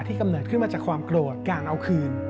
กำเนิดขึ้นมาจากความโกรธการเอาคืน